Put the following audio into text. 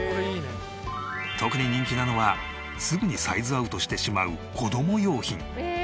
特に人気なのはすぐにサイズアウトしてしまう子ども用品。